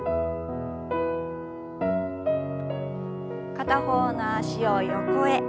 片方の脚を横へ。